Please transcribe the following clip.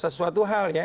sesuatu hal ya